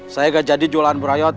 saya gak jadi jualan brayot